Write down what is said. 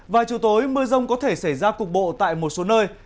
vài chủ tối mưa rông có thể xảy ra cục bộ tại một số nơi